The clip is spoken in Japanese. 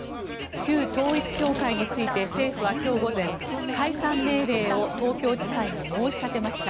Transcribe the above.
旧統一教会について政府は今日午前解散命令を東京地裁に申し立てました。